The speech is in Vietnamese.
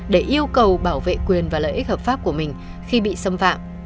để yêu cầu bảo vệ quyền và lợi ích hợp pháp của mình khi bị xâm phạm